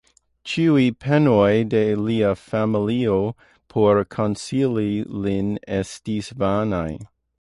Ĉiuj penoj de lia familio, por konsoli lin, estis vanaj.